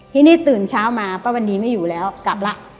ทีนี้ตื่นเช้ามาป้าวันนี้ไม่อยู่แล้วกลับละ